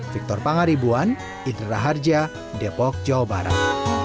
victor pangaribuan indra raharja depok jawa barat